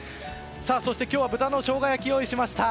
そして今日は豚のしょうが焼きを用意しました。